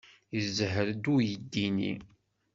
Yezher-d uydi-nni.